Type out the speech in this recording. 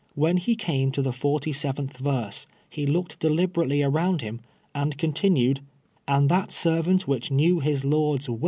When he came to the 47th verse, lie looked deliberately around hiin, and continued —" And that servant which knew his lord's